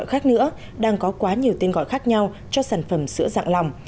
khác nữa đang có quá nhiều tên gọi khác nhau cho sản phẩm sữa dạng lòng